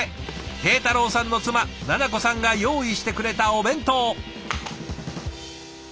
慶太郎さんの妻菜々子さんが用意してくれたお弁当。